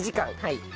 はい。